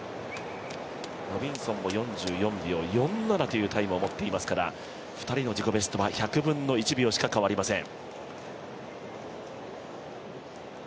ロビンソンも４４秒４７というタイムを持ってますから２人の自己ベストは１００分の４秒しか変わりません。